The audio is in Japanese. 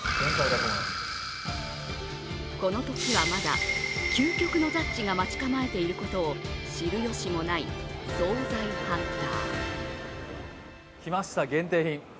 このときはまだ究極のジャッジが待ち構えていることを知るよしもない総菜ハンター。来ました、限定品。